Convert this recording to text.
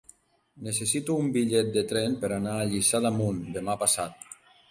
Necessito un bitllet de tren per anar a Lliçà d'Amunt demà passat.